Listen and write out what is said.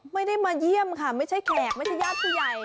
ไม่ได้มาเยี่ยมค่ะไม่ใช่แขกไม่ใช่ญาติผู้ใหญ่